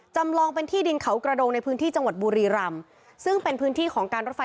จำลองเป็นที่ดินเขากระดงในพื้นที่จังหวัดบุรีรำซึ่งเป็นพื้นที่ของการรถไฟ